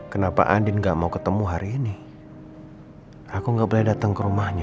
kenapa andin gak mau ketemu hari ini aku gak boleh datang ke rumahnya